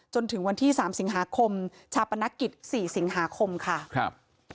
จนถึงวันที่๓สิงหาคมชาปนกิจสี่สิงหาคมค่ะครับ